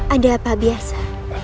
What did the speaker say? ada apa biasa